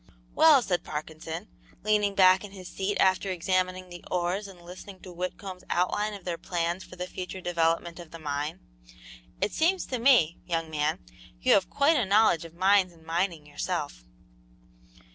"Well," said Parkinson, leaning back in his seat after examining the ores and listening to Whitcomb's outline of their plans for the future development of the mine, "it seems to me, young man, you have quite a knowledge of mines and mining yourself."